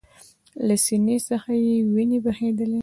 له سینې څخه یې ویني بهېدلې